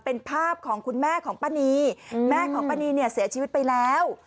เป็นภาพของคุณแม่ของป้านีแม่ของป้านีเนี่ยเสียชีวิตไปแล้ว